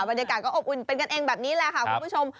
บรรยากาศก็อบอุ่นเป็นกันเองแบบนี้แหละค่ะคุณผู้ชม